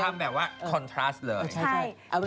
สวัสดีค่าข้าวใส่ไข่